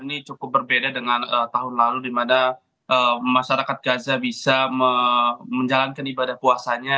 ini cukup berbeda dengan tahun lalu di mana masyarakat gaza bisa menjalankan ibadah puasanya